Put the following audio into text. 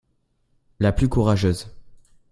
la plus courageuse.